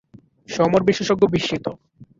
সমর বিশেষজ্ঞগণ বিস্মিত।